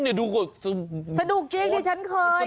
เอาดูสนุกจริงดิฉันเคย